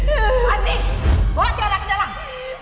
andi bawa tiara ke dalam